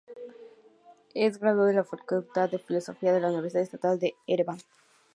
Es graduado de la Facultad de Filología de la Universidad Estatal de Ereván.